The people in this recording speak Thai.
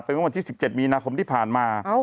เมื่อวันที่๑๗มีนาคมที่ผ่านมา